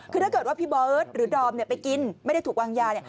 คือถ้าเกิดว่าพี่เบิร์ตหรือดอมไปกินไม่ได้ถูกวางยาเนี่ย